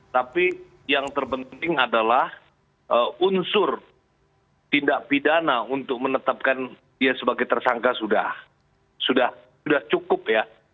tapi yang terpenting adalah unsur tindak pidana untuk menetapkan dia sebagai tersangka sudah cukup ya